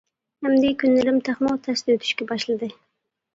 ئەمدى كۈنلىرىم تېخىمۇ تەستە ئۆتۈشكە باشلىدى.